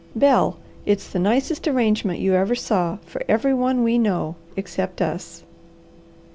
Bel, it's the nicest arrangement you ever saw for every one we know, except us."